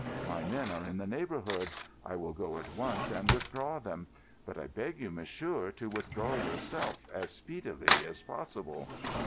My men are in the neighbourhood; I will go at once and withdraw them. But I beg you, monsieur, to withdraw yourself as speedily as possible."